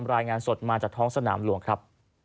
รายงานสดมาจากท้องสนามหลวงครับ